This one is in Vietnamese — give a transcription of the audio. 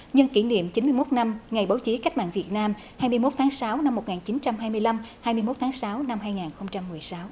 nhân kỷ niệm chín mươi một năm ngày báo chí cách mạng việt nam hai mươi một tháng sáu năm một nghìn chín trăm hai mươi năm hai mươi một tháng sáu năm hai nghìn một mươi sáu